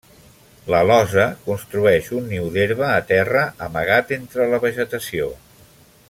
L'alosa construeix un niu d'herba a terra amagat entre la vegetació.